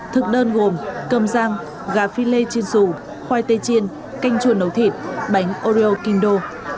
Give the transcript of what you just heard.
thức đơn gồm cơm rang gà philet chiên xù khoai tây chiên canh chuồn nấu thịt bánh oreo kindle